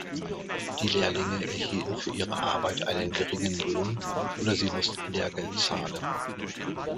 Die Lehrlinge erhielten für ihre Arbeit einen geringen Lohn oder sie mussten Lehrgeld zahlen.